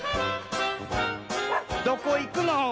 どこいくの？